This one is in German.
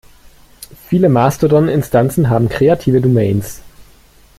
Viele Mastodon-Instanzen haben kreative Domains.